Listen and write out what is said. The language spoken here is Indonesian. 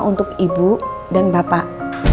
untuk ibu dan bapak